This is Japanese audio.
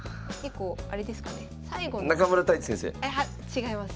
違います。